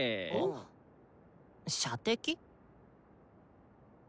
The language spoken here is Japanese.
射的？